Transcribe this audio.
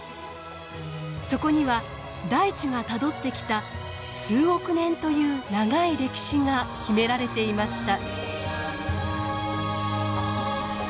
そこには大地がたどってきた数億年という長い歴史が秘められていました。